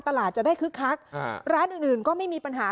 ตลาดจะได้คึกคักร้านอื่นก็ไม่มีปัญหา